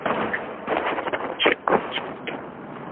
The phrase "fast, cheap, good: choose two".